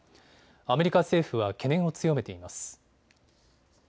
アメリカ政府は懸念を強めています。